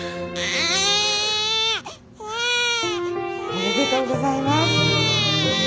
おめでとうございます。